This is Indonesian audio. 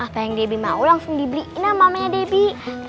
apa yang debbie mau langsung dibeliin sama mamanya debbie